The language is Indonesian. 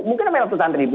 mungkin sampai ratusan ribu